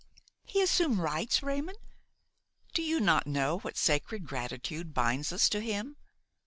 "He assume rights, Raymon! Do you not know what sacred gratitude binds us to him?